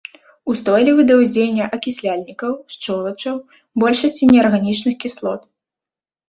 Устойлівы да ўздзеяння акісляльнікаў, шчолачаў, большасці неарганічных кіслот.